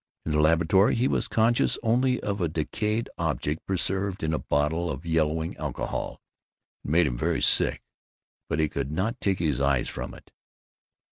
In the laboratory he was conscious only of a decayed object preserved in a bottle of yellowing alcohol. It made him very sick, but he could not take his eyes from it.